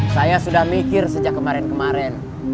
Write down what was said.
saya sudah mikir sejak kemarin kemarin